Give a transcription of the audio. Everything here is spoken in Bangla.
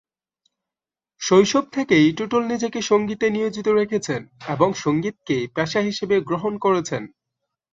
শৈশব থেকেই টুটুল নিজেকে সঙ্গীতে নিয়োজিত রেখেছেন এবং সঙ্গীতকে পেশা হিসেবে গ্রহণ করেছেন।